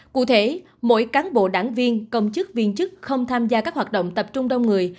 cụ thể mỗi cán bộ đảng viên công chức viên chức không tham gia các hoạt động tập trung đông người